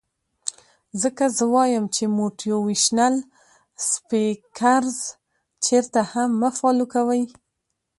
ځکه زۀ وائم چې موټيوېشنل سپيکرز چرته هم مۀ فالو کوئ